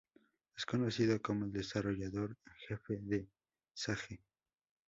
Es conocido como el desarrollador en jefe de Sage.